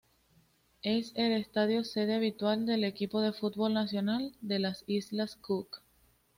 Es el estadio sede habitual del equipo de fútbol "nacional" de las Islas Cook.